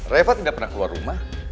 reva tidak pernah keluar rumah